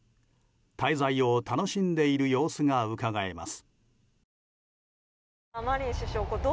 滞在を楽しんでいる様子がうかがえます。